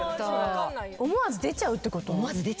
思わず出ちゃうってこと？